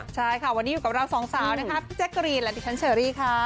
ใช่ค่ะวันนี้อยู่กับเราสองสาวนะคะพี่แจ๊กกรีนและดิฉันเชอรี่ค่ะ